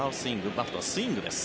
バットはスイングです。